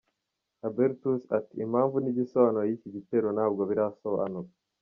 Hubertus ati “Impamvu n’igisobanuro y’iki gitero ntabwo birasobanuka.